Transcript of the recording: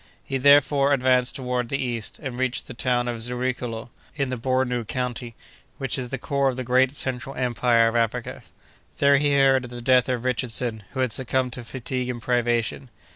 He therefore advanced toward the east, and reached the town of Zouricolo, in the Bornou country, which is the core of the great central empire of Africa. There he heard of the death of Richardson, who had succumbed to fatigue and privation.